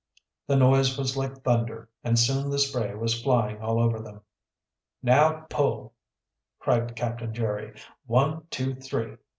The noise was like thunder, and soon the spray was flying all over them. "Now pull!" cried Captain Jerry. "One, two, three!